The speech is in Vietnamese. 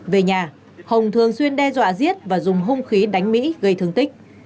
về nhà hồng thường xuyên đe dọa giết và dùng hung khí đánh mỹ gây thương tích